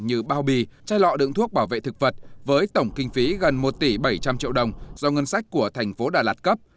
như bao bì chai lọ đựng thuốc bảo vệ thực vật với tổng kinh phí gần một tỷ bảy trăm linh triệu đồng do ngân sách của thành phố đà lạt cấp